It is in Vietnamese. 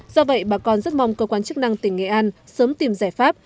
do vậy bà con rất mong cơ quan chức năng tỉnh nghệ an sớm tìm giải pháp